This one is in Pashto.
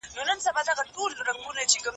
که ته وغواړې نو موږ یوځای تمرین کولای شو.